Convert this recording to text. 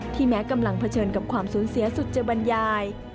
แม้กำลังเผชิญกับความสูญเสียสุจบรรยาย